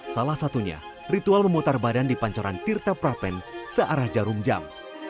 salah satunya ritual memutar badan di pancoran tirta prapen searah jarum jam